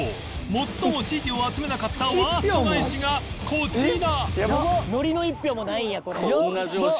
最も支持を集めなかったワースト返しがこちら